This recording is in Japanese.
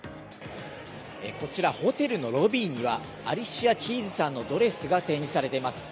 こちら、ホテルのロビーには、アリシア・キーズさんのドレスが展示されています。